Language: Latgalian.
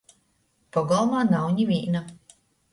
Pogolmā nav nivīna.